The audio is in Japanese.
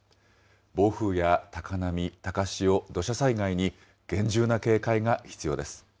暴風や高波、高潮、土砂災害に厳重な警戒が必要です。